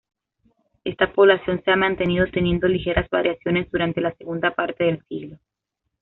Esta población se ha mantenido, teniendo ligeras variaciones, durante la segunda parte del siglo.